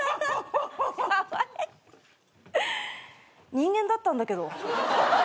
人間だったんだけど。